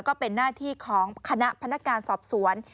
ก็เป็นหน้าที่ของคณะพนักงานสอบสวน